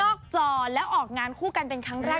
จอแล้วออกงานคู่กันเป็นครั้งแรก